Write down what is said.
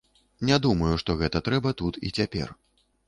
Не думаю, што гэта трэба тут і цяпер.